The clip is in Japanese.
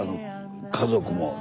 家族も。